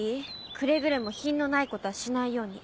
くれぐれも品のない事はしないように。